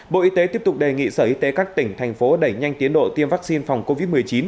bộ y tế tiếp tục đề nghị sở y tế các tỉnh thành phố đẩy nhanh tiến độ tiêm vaccine phòng covid một mươi chín